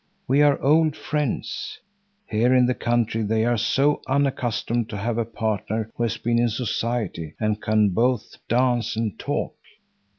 We are old friends. Here in the country they are so unaccustomed to have a partner who has been in society and can both dance and talk.